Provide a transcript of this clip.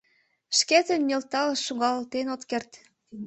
— Шкетын нӧлтал шогалтен от керт.